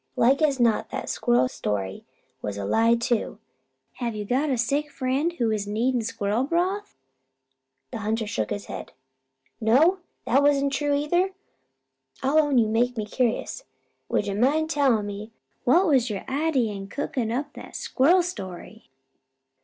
Like as not that squirrel story was a lie, too! Have you got a sick friend who is needin' squirrel broth?" The hunter shook his head. "No? That wasn't true either? I'll own you make me curious. 'Ud you mind tellin' me what was your idy in cookin' up that squirrel story?"